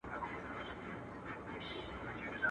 قلندر ولاړ وو خوله يې ښورېدله.